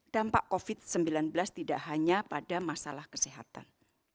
dampak covid sembilan belas tidak hanya pada masalah kesehatan